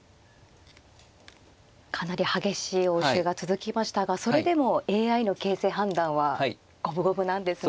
かなり激しい応酬が続きましたがそれでもＡＩの形勢判断は五分五分なんですね。